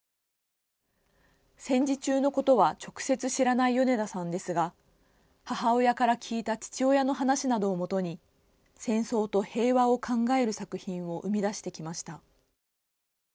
戦時中のことは直接知らない米田さんですが母親から聞いた父親の話などをもとに戦争と平和を考える作品を生み出してきました。